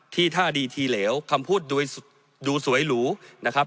ท่าดีทีเหลวคำพูดดูสวยหรูนะครับ